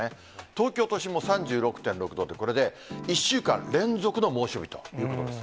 東京都心も３６．６度、これで１週間連続の猛暑日ということです。